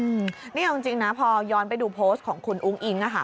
อืมนี่เอาจริงนะพอย้อนไปดูโพสต์ของคุณอุ้งอิ๊งอะค่ะ